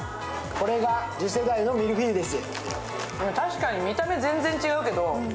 これが次世代のミルフィーユです。